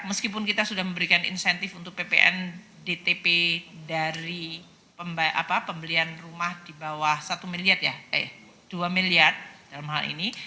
meskipun kita sudah memberikan insentif untuk ppn dtp dari pembelian rumah di bawah satu miliar ya eh dua miliar dalam hal ini